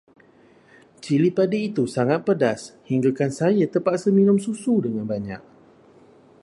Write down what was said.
Cili padi itu sangat pedas, hinggakan saya terpaksa minum susu dengan banyak.